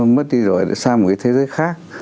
mất đi rồi sang một cái thế giới khác